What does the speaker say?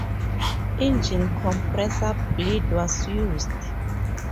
Engine compressor bleed was used.